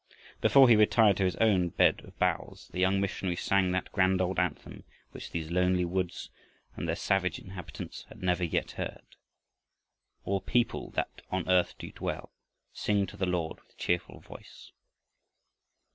Before he retired to his own bed of boughs, the young missionary sang that grand old anthem which these lonely woods and their savage inhabitants had never yet heard: All people that on earth do dwell, Sing to the Lord with cheerful voice.